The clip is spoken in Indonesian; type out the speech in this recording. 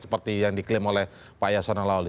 seperti yang diklaim oleh pak yasona lawli